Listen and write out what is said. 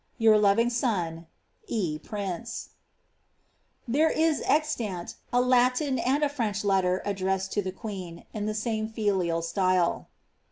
"• Your ioving son, *«£. Pais ex/' There is extant a Latin and a French letter addressed to the queen, in the same filial style.